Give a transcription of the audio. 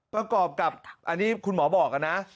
ประกอบกับอันนี้คุณหมอบอกนะ